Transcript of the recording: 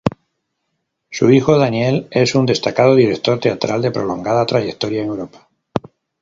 Su hijo Daniel es un destacado director teatral de prolongada trayectoria en Europa.